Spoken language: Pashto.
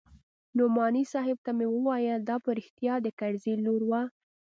نعماني صاحب ته مې وويل دا په رښتيا د کرزي لور وه.